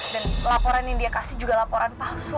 dan laporan yang dia kasih juga laporan palsu